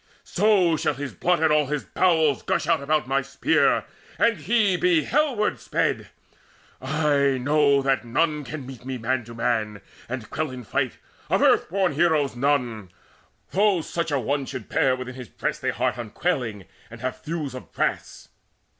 So shall his blood and all his bowels gush out About my spear, and he be hellward sped! I know that none can meet me man to man And quell in fight of earth born heroes none, Though such an one should bear within his breast A heart unquailing, and have thews of brass.